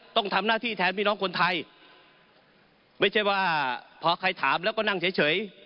ต้องทำหน้าที่แทนพี่น้องคนไทยไม่ใช่ว่าพอใครถามแล้วก็นั่งเฉย